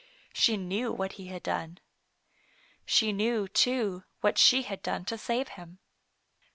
She knew what he had done. She knew, too, what she had done to save him.